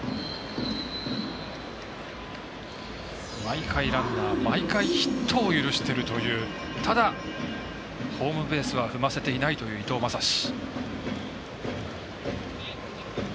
毎回ランナー毎回ヒットを許しているというただ、ホームベースは踏ませていないという伊藤将司。